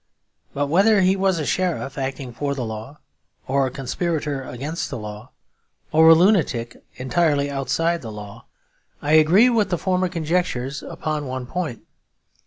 But whether he was a sheriff acting for the law, or a conspirator against the law, or a lunatic entirely outside the law, I agree with the former conjectures upon one point.